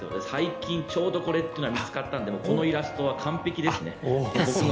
最近ちょうどこれっていうのが見つかったのでこのイラストは完璧ですね。